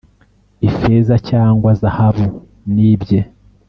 Ifeza cyangwa zahabu nibye